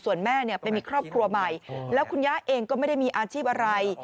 ส่วนแม่เนี่ยไปมีครอบครัวใหม่แล้วคุณย่าเองก็ไม่ได้มีอาชีพอะไร